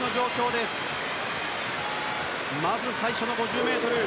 まず最初の５０ｍ。